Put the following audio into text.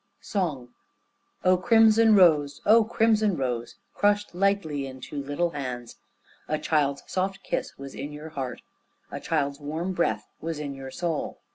SONG O crimson rose, O crimson rose, Crushed lightly in two little hands; A child's soft kiss was in your heart, A child's warm breath was in your soul.